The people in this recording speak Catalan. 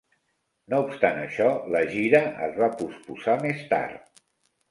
No obstant això, la gira es va posposar més tard.